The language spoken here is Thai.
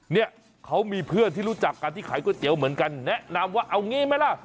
เนี่ยเขามีเพื่อนที่รู้จักกันที่ขายก๋วยเตี๋ยวเหมือนกันแนะนำว่าเอางี้ไหมล่ะ